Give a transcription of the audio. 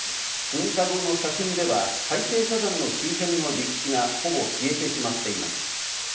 噴火後の写真では海底火山の周辺の陸地がほぼ消えてしまっています。